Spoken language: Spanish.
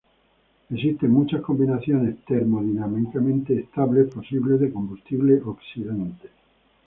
Existen muchas combinaciones termodinámicamente estables posibles de combustible-oxidante.